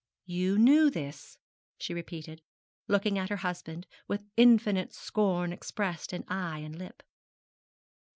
'You knew this,' she repeated, looking at her husband, with infinite scorn expressed in eye and lip.